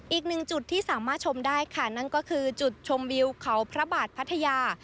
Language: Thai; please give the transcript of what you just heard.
อีกหนึ่งจุดที่สามารถชมได้ค่ะนั่นก็คือจุดชมวิวเขาพระบาทพัทยา